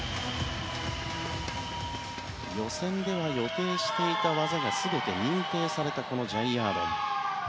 予選では予定していた技が全て認定されたジャイヤードン。